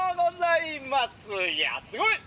いやすごい！